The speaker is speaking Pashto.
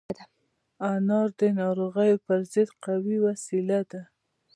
انار د ناروغیو پر ضد قوي وسيله ده.